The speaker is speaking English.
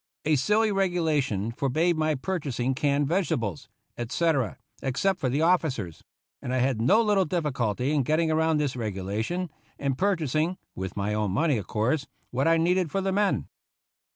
A silly regulation forbade my pur chasing canned vegetables, etc., except for the of ficers; and I had no little difficulty in getting round this regulation, and purchasing (with my own money, of course) what I needed for the men.